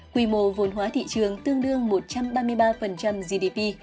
quy mô vốn hóa thị trường tương đương một trăm ba mươi ba gdp